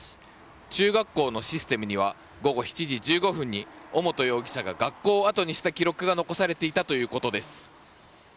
中学校のシステムには午後７時１５分に尾本容疑者が学校をあとにした記録が残されていたということです。